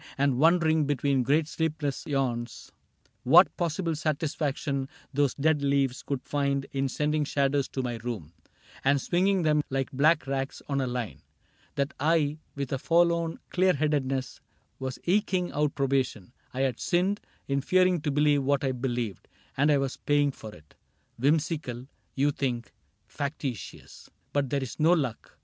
And wondering, between great sleepless yawns, What possible satisfaction those dead leaves Could find in sending shadows to my room CAPTAIN CRAIG 13 And swinging them like black rags on a line. That I, with a forlorn clear headedness Was ekeing out probation. I had sinned In fearing to believe what I believed, And I was paying for it. — Whimsical, You think, — factitious ; but "there is no luck.